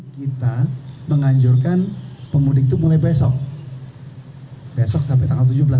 kita menganjurkan pemudik itu mulai besok besok sampai tanggal tujuh belas